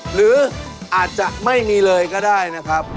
หรืออาจจะไม่มีเลยก็ได้นะครับ